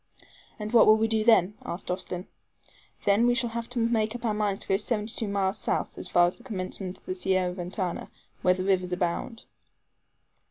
"And what will we do then?" asked Austin. "Then we shall have to make up our minds to go seventy two miles south, as far as the commencement of the Sierra Ventana, where rivers abound."